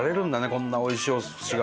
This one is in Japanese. こんなおいしいお寿司が。